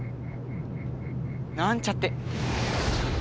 なんちゃって！